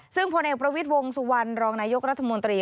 ซึ่งพลเอกประวิทย์วงสุวรรณรองนายกรัฐมนตรี